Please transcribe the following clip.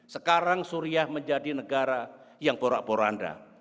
sekarang suriah menjadi negara yang borak boranda